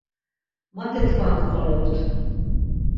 Mati tkvan k̆qoropt.